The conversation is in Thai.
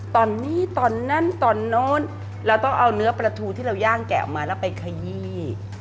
ตอนนี้ตอนนั้นตอนโน้นเราต้องเอาเนื้อปลาทูที่เราย่างแกะออกมาแล้วไปขยี้